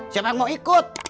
siapa yang mau ikut